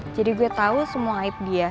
jadi gue tau semua aib dia